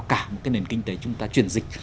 cả một cái nền kinh tế chúng ta chuyển dịch